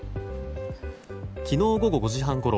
昨日午後５時半ごろ